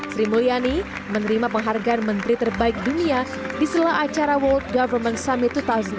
sri mulyani menerima penghargaan menteri terbaik dunia di sela acara world government summit dua ribu delapan belas